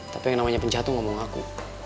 tapi yang namanya penjatuh ngomong aku